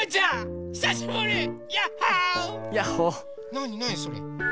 なになにそれ？